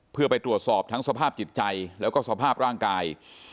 เพื่อไปตรวจสอบทั้งสภาพจิตใจแล้วก็สภาพร่างกาย